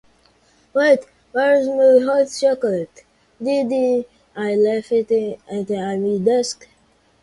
Wait, where's my hot chocolate? Did I left it at my desk?